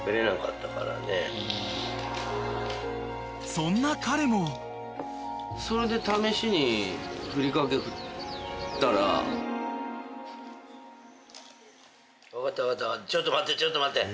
［そんな彼も］分かった分かったちょっと待ってちょっと待って。